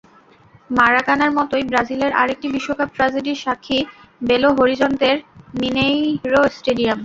মারাকানার মতোই ব্রাজিলের আরেকটি বিশ্বকাপ ট্র্যাজেডির সাক্ষী বেলো হরিজন্তের মিনেইরো স্টেডিয়াম।